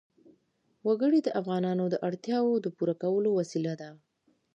وګړي د افغانانو د اړتیاوو د پوره کولو وسیله ده.